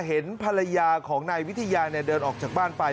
เห็นภรรยาของนายวิทยาเดินออกจากบ้านไป